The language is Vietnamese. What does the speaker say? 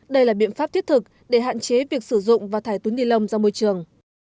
đây là biện pháp thiết thực để hạn chế việc sử dụng và thải túi ni lông ra môi trường